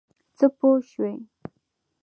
څه پوه شوې؟